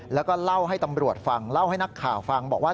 แล้วก็เล่าให้ตำรวจฟังเล่าให้นักข่าวฟังบอกว่า